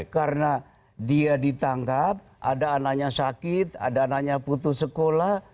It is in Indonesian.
karena dia ditangkap ada anaknya sakit ada anaknya putus sekolah